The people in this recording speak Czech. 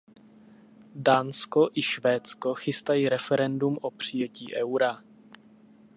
Dánsko i Švédsko chystají referendum o přijetí eura.